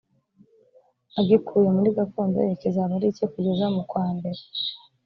agikuye muri gakondo ye kizaba ari icye kugeza mu kwambere